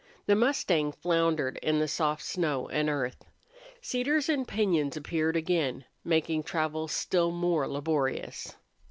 The mustang floundered in the soft snow and earth. Cedars and piñons appeared again, making travel still more laborious.